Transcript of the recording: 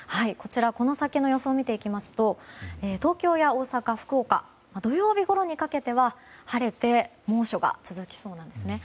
この先の予想を見ると東京や大阪、福岡土曜日ごろにかけては晴れて猛暑が続きそうなんですね。